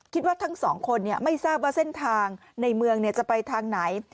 คิดว่าทั้งสองคนเนี่ยไม่ทราบว่าเส้นทางในเมืองจะไปทางไหน